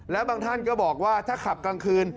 แล้วบางท่านก็บอกว่าถ้าขับกลางคืน